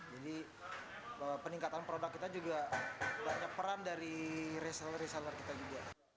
jadi peningkatan produk kita juga banyak peran dari reseller reseller kita juga